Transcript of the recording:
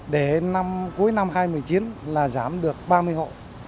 để cuối năm hai nghìn một mươi chín là giảm được ba mươi hộ